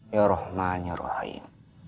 ya rahman ya rahim